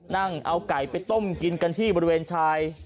นั่งเอาไก่ไปต้มกินกันที่บริเวณชาย